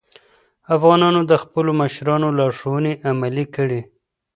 افغانانو د خپلو مشرانو لارښوونې عملي کړې.